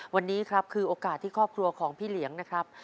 วันนี้ครับคือโอกาสที่ครอบครัวของพี่เหลียงนะครับ